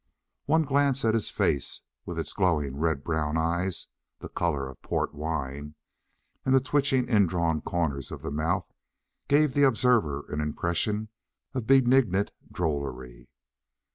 One glance at his face, with its glowing red brown eyes (the colour of port wine), and the twitching in drawn corners of the mouth, gave the observer an impression of benignant drollery.